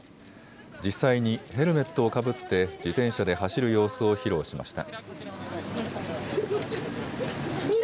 実際にヘルメットをかぶって自転車で走る様子を披露しました。